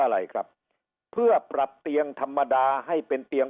อะไรครับเพื่อปรับเตียงธรรมดาให้เป็นเตียง